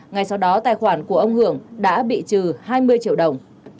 ngay sau đó tài khoản của ông hưởng đã bị trừ hai mươi triệu đồng